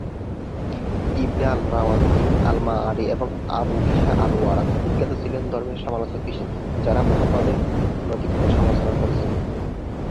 ইবনে al-Rawandi, al-Ma'arri এবং Abu Isa al-Warraq বিখ্যাত ছিলেন ধর্মের সমালোচক হিসেবে যারা মুহাম্মাদের নৈতিকতার সমালোচনা করেছিলেন।